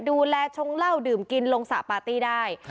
ดูแลชงเหล้าดื่มกินลงสระปาร์ตี้ได้